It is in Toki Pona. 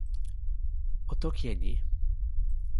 o toki e ni: